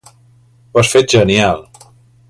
Ho has fet genial.